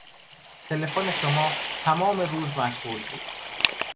تلفن شما تمام روز مشغول بود.